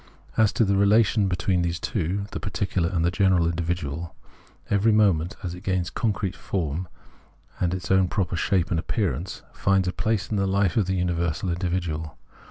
As to the relation between these two [the particular and general individual], every moment, as it gains concrete form and its own proper shape and appearance, finds a place in the life of the universal individual.